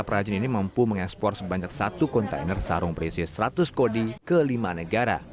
prajin ini mampu mengekspor sebanyak satu kontainer sarung berisi seratus kodi kelima negara